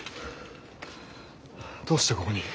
どうしてここに。